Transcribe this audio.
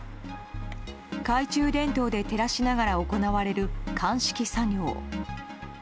懐中電灯で照らしながら行われる鑑識作業。